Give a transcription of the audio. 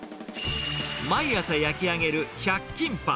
毎朝焼き上げる１００均パン。